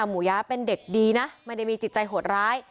หมูยะเป็นเด็กดีนะไม่ได้มีจิตใจโหดร้าย